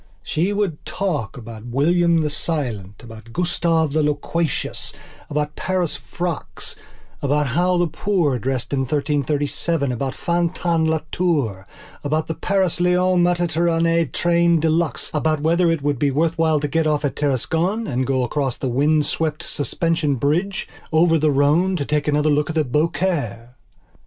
She would talk about William the Silent, about Gustave the Loquacious, about Paris frocks, about how the poor dressed in 1337, about Fantin Latour, about the Paris Lyons Mediterranée train deluxe, about whether it would be worth while to get off at Tarascon and go across the windswept suspension bridge, over the Rhone to take another look at Beaucaire.